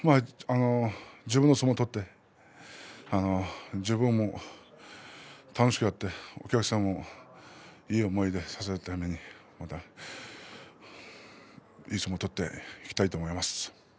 自分の相撲を取って自分も楽しくやって、お客さんもいい思いをさせるためにいい相撲を取っていきたいと思います。